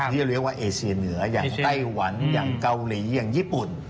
ที่จะเรียกว่าเอเชียเหนืออย่างไต้หวันอย่างเกาหลีอย่างญี่ปุ่น